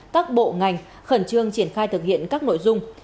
các bộ ngành khẩn trương triển khai thực hiện các nội dung